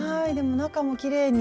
中もきれいに。